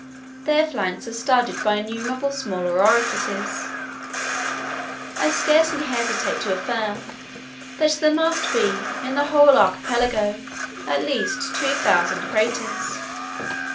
Their flanks are studded by innumerable smaller orifices. I scarcely hesitate to affirm, that there must be in the whole archipelago at least two thousand craters.